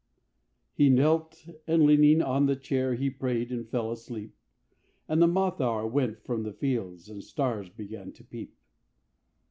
He knelt, and leaning on the chair He prayed and fell asleep; And the moth hour went from the fields, And stars began to peep.